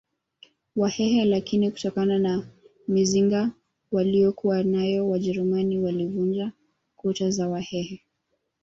Wahehe lakini kutokana na mizinga waliyokuwanayo wajerumani walivunja kuta za wahehe